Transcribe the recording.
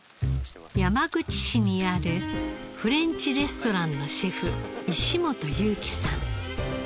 山口市にあるフレンチレストランのシェフ石本裕紀さん。